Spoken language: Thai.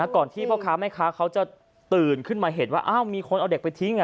ที่พ่อค้าแม่ค้าเขาจะตื่นขึ้นมาเห็นว่าอ้าวมีคนเอาเด็กไปทิ้ง